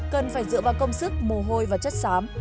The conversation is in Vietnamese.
cần phải dựa vào công sức mồ hôi và chất xám